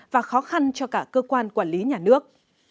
và khó khăn cho cả cơ quan quản lý nhà nước